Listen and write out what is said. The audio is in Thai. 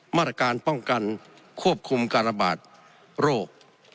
มาตรการป้องกันควบคุมการระบาดโรค